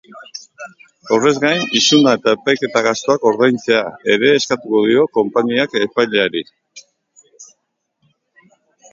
Horrez gain, isuna eta epaiketa gastuak ordaintzea ere eskatuko dio konpainiak epaileari.